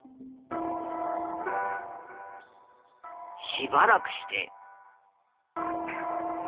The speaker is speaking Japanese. しばらくして。